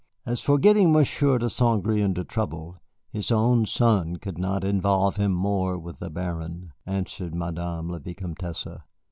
"As for getting Monsieur de St. Gré into trouble, his own son could not involve him with the Baron," answered Madame la Vicomtesse.